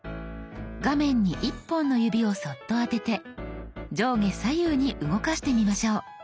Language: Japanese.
画面に１本の指をそっと当てて上下左右に動かしてみましょう。